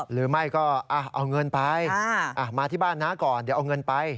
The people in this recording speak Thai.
หรือไม่ก็เอาเงินไปมาที่บ้านน้าก่อนเดี๋ยวเอาเงินไป